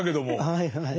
はいはい。